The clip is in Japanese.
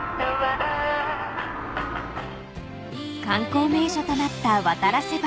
［観光名所となった渡良瀬橋］